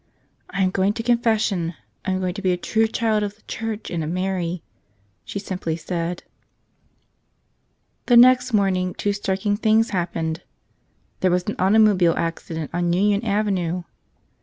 "I'm going to confession. I'm going to be a true child of the Church and of Mary," she simply said. The next morning two striking things happened. There was an automobile accident on Union Avenue.